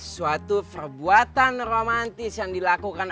suatu perbuatan romantis yang dilakukan